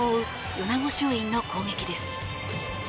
米子松蔭の攻撃です。